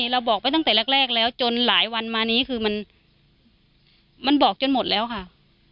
เราบอกไปตั้งแต่แรกแล้วจนหลายวันมานี้คือมันบอกจนหมดแล้วค่ะ